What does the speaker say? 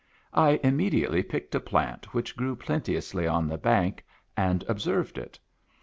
I immediately picked a plant which grew plente ously on the bank, and observed it.